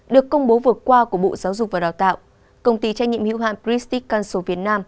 được công bố vượt qua của bộ giáo dục và đào tạo công ty trách nhiệm hữu hạn pristic council việt nam